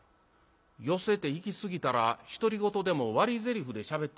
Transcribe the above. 寄席て行きすぎたら独り言でも割りぜりふでしゃべってしまうな。